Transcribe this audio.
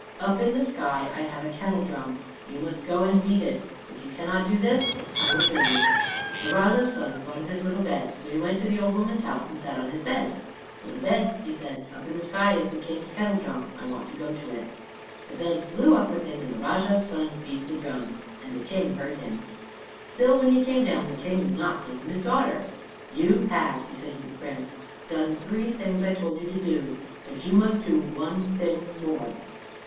Up in the sky I have a kettle drum. You must go and beat it. If you cannot do this, I will kill you." The Rajah's son thought of his little bed; so he went to the old woman's house and sat on his bed. "Little bed," he said, "up in the sky is the King's kettle drum. I want to go to it." The bed flew up with him, and the Rajah's son beat the drum, and the King heard him. Still, when he came down, the King would not give him his daughter. "You have," he said to the Prince, "done the three things I told you to do; but you must do one thing more."